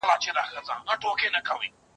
زه به د سبا لپاره د درسونو يادونه کړې وي!.